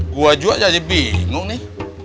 gua juga jadi bingung nih